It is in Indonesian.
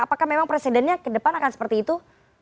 apakah memang presidennya kedepan akan seperti itu